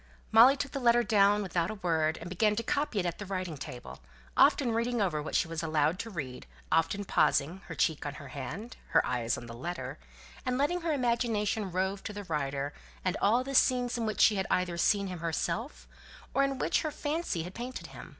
Molly took the letter down without a word, and began to copy it at the writing table; often reading over what she was allowed to read; often pausing, her cheek on her hand, her eyes on the letter, and letting her imagination rove to the writer, and all the scenes in which she had either seen him herself, or in which her fancy had painted him.